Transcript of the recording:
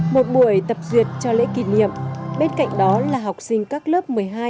một buổi tập duyệt cho lễ kỷ niệm bên cạnh đó là học sinh các lớp một mươi hai